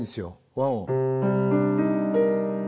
和音。